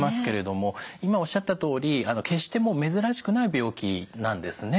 今おっしゃったとおり決してもう珍しくない病気なんですね。